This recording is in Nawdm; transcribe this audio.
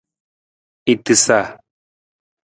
I tasa.